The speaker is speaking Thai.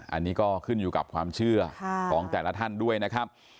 อันนี้ก็ขึ้นอยู่กับความเชื่อของแต่ละท่านด้วยนะครับ